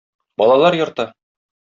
Балалар йорты.